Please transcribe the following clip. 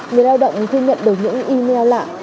người lao động khi nhận được những email lạ